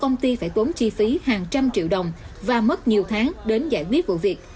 công ty phải tốn chi phí hàng trăm triệu đồng và mất nhiều tháng đến giải quyết vụ việc